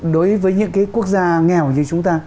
đối với những cái quốc gia nghèo như chúng ta